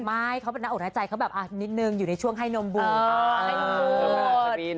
ไม่เขาเป็นหน้าอกหน้าใจเขาแบบนิดนึงอยู่ในช่วงให้นมบุญ